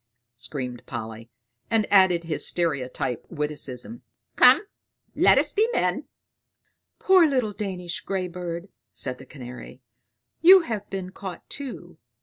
screamed Polly, and added his stereotype witticism. "Come, let us be men!" "Poor little Danish grey bird," said the Canary; "you have been caught too.